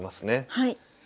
はい。